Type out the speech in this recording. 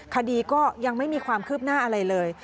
คดีก็ยังไม่มีความคืบหน้าอะไรเลย